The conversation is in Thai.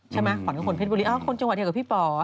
ใช่ไหมขวัญกับคนเพชรบุรีคนจังหวัดเดียวกับพี่ป่อ